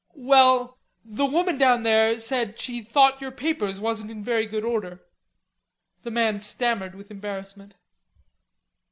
"Well, the woman down there said she thought your papers wasn't in very good order." The man stammered with embarrassment.